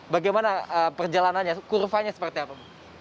bagaimana perjalanannya kurvanya seperti apa bu